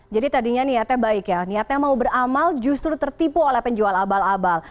jadi tadinya niatnya baik ya niatnya mau beramal justru tertipu oleh penjual abal abal